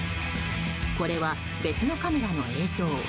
これは、別のカメラの映像。